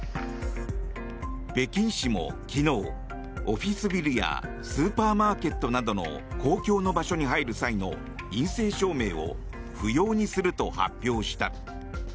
北京市も昨日、オフィスビルやスーパーマーケットなどの公共の場所に入る際の陰性証明を不要にすると発表した。